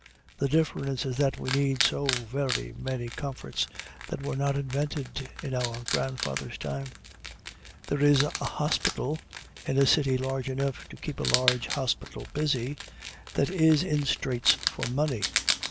The difference is that we need so very many comforts that were not invented in our grandfather's time. There is a hospital, in a city large enough to keep a large hospital busy, that is in straits for money.